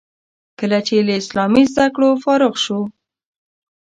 کله چې له اسلامي زده کړو فارغ شو.